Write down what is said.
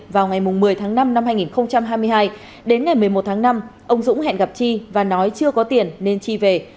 vào ngày một mươi tháng năm năm hai nghìn hai mươi hai đến ngày một mươi một tháng năm ông dũng hẹn gặp chi và nói chưa có tiền nên chi về